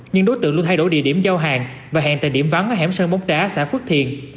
nhưng đối tượng luôn thay đổi địa điểm giao hàng và hàng tại điểm vắng ở hẻm sân bóng trá xã phước thiền